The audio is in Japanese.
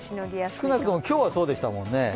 少なくとも、今日はそうでしたもんね。